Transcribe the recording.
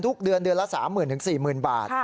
ทุกเดือนเดือนละ๓๐๐๐๔๐๐๐บาท